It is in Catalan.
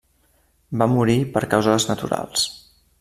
Va morir per causes naturals.